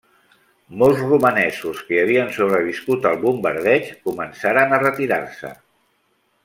Molts romanesos que havien sobreviscut al bombardeig començaren a retirar-se.